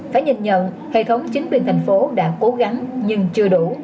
phải nhìn nhận hệ thống chính quyền thành phố đã cố gắng nhưng chưa đủ